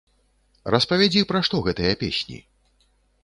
Распавядзі, пра што гэтыя песні.